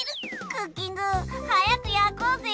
クッキングはやくやこうぜ。